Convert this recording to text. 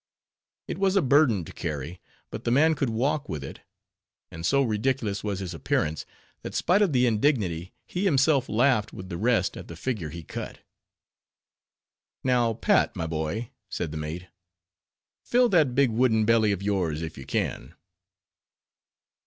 It was a burden to carry; but the man could walk with it; and so ridiculous was his appearance, that spite of the indignity, he himself laughed with the rest at the figure he cut. "Now, Pat, my boy," said the mate, "fill that big wooden belly of yours, if you can."